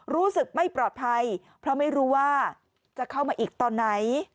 รู้สึกไม่ปลอดภัยเพราะไม่รู้ว่าจะเข้ามาอีกตอนไหน